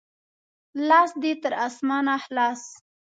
لاس دې تر اسمانه خلاص!